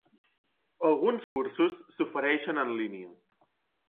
Alguns cursos s'ofereixen en línia.